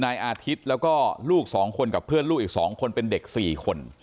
นายอาทิตย์แล้วก็ลูก๒คนกับเพื่อนลูกอีก๒คนเป็นเด็ก๔คน